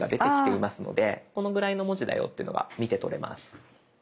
このぐらいの文字だよっていうのが見てとれます。